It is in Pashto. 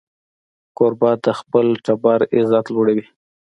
کوربه د خپل ټبر عزت لوړوي.